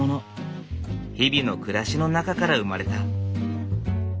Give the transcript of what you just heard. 日々の暮らしの中から生まれた。